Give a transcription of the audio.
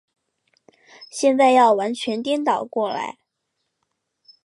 现在要完全颠倒过来。